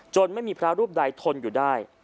ไม่มีพระรูปใดทนอยู่ได้